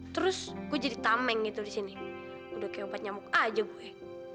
terus gue jadi tameng gitu di sini udah kayak obat nyamuk aja gue